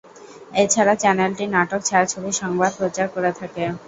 এছাড়া চ্যানেলটি নাটক, ছায়াছবি, সংবাদ প্রচার করে থাকে।